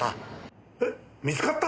えっ見つかった！？